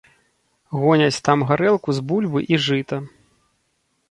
Гоняць там гарэлку з бульбы і жыта.